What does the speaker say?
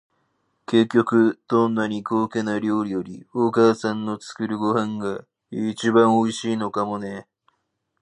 結局、どんなに高価な料理より、お母さんの作るご飯が一番おいしいのかもね。